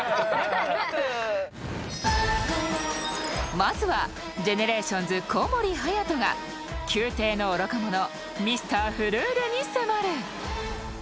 ［まずはＧＥＮＥＲＡＴＩＯＮＳ小森隼が宮廷の愚か者ミスター・フルールに迫る］